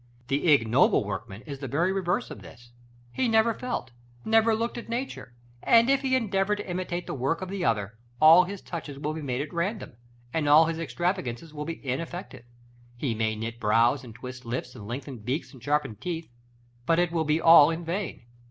The ignoble workman is the very reverse of this. He never felt, never looked at nature; and if he endeavor to imitate the work of the other, all his touches will be made at random, and all his extravagances will be ineffective; he may knit brows, and twist lips, and lengthen beaks, and sharpen teeth, but it will be all in vain.